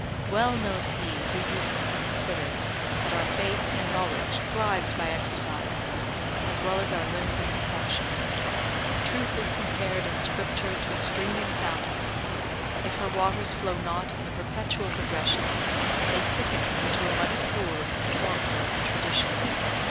Well knows he who uses to consider, that our faith and knowledge thrives by exercise, as well as our limbs and complexion. Truth is compared in Scripture to a streaming fountain; if her waters flow not in a perpetual progression, they sicken into a muddy pool of conformity and tradition.